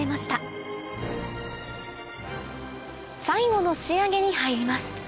最後の仕上げに入ります